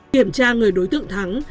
kiểm tra người đối tượng thắng